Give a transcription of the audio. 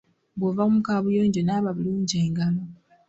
Bw'ova mu kaabuyonjo naaba bulungi engalo .